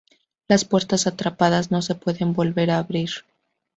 Las puertas atrapadas no se pueden volver a abrir.